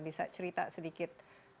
bisa cerita sedikit